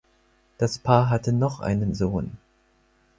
Das Paar hatte noch einen Sohn.